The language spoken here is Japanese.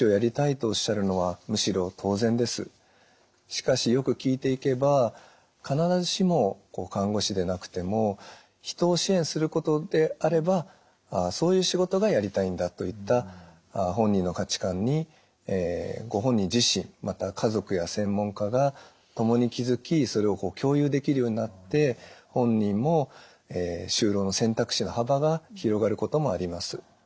しかしよく聞いていけば必ずしも看護師でなくても人を支援することであればそういう仕事がやりたいんだといった本人の価値観にご本人自身また家族や専門家が共に気付きそれを共有できるようになって本人も就労の選択肢の幅が広がることもあります。